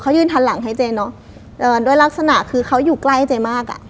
ยืนทันหลังให้เจ๊เนอะเอ่อด้วยลักษณะคือเขาอยู่ใกล้เจ๊มากอ่ะ